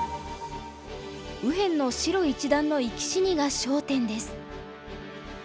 右辺の白一団の生き死にが焦点です。